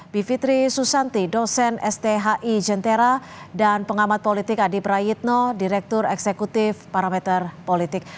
bivitri susanti dosen sthi jentera dan pengamat politik adi prayitno direktur eksekutif parameter politik